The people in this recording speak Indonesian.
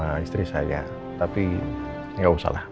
peduli sama istri saya tapi enggak usah lah